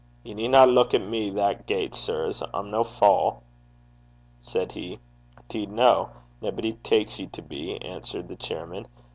'Ye needna luik at me that gait, sirs. I'm no fou,' said he. ''Deed no. Naebody taks ye to be,' answered the chairman.